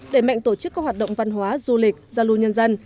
để mạnh tổ chức các hoạt động văn hóa du lịch giao lưu nhân dân